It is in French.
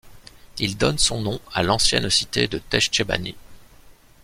Il donne son nom à l'ancienne cité de Teishebani.